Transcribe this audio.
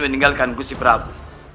meninggalkan gusti prabu